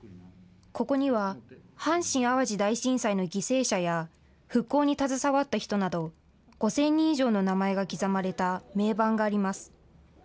ここには、阪神・淡路大震災の犠牲者や、復興に携わった人など５０００人以上の名前が刻まれた銘板があります。